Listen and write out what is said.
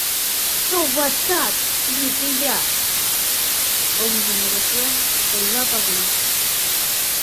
— Товатат, вӱд ия! — оҥжым ыреслен, ойла Пагул.